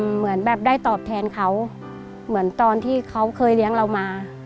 เหมือนแบบได้ตอบแทนเขาเหมือนตอนที่เขาเคยเลี้ยงเรามา